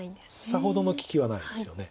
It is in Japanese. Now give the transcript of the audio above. さほどの利きはないんですよね。